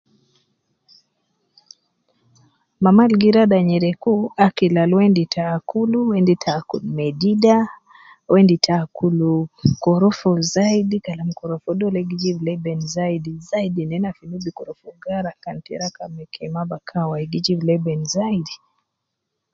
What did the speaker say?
Mama al gi rada nyereku akil al uwo endis te akul, uwo endi te akul medida, uwo endi te akulu korofo zaidi Kalam korofo dole gi jib leben zaidi ,zaidi nena fibNubi korofo gara kan te rakab me kema bakan wai gi jib leben zaidi